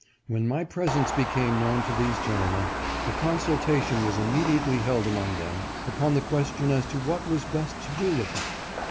When my presence became known to these gen tlemen, a consultation was immediately held among them, upon the question as to what was best to do with me.